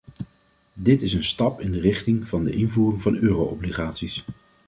Dit is een stap in de richting van de invoering van euro-obligaties.